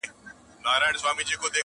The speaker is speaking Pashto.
تاسي یې وګوری مېلمه دی که شیطان راغلی-